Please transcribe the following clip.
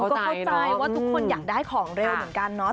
ก็เข้าใจว่าทุกคนอยากได้ของเร็วเหมือนกันเนาะ